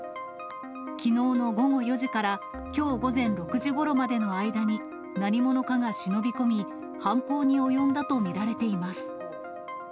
きのうの午後４時からきょう午前６時ごろまでの間に、何者かが忍び込み、犯行に及んだと見られています。